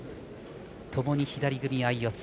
ともに左組み相四つ。